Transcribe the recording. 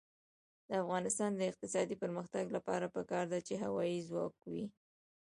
د افغانستان د اقتصادي پرمختګ لپاره پکار ده چې هوایی ځواک وي.